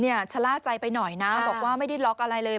ชะล่าใจไปหน่อยนะบอกว่าไม่ได้ล็อกอะไรเลย